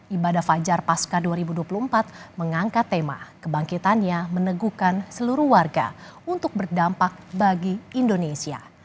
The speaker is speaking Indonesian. ibadah fajar pasca dua ribu dua puluh empat mengangkat tema kebangkitannya meneguhkan seluruh warga untuk berdampak bagi indonesia